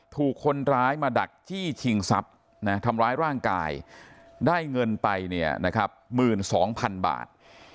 ถูกคนร้ายมาดักจี้ชิงสับทำร้ายร่างกายได้เงินไป๑๒๐๐๐บาท